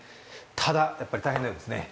ただやっぱり大変なようですね